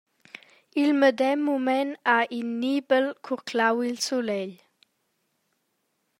Il medem mument ha in nibel curclau il sulegl.